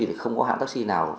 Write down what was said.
thì không có hãng taxi nào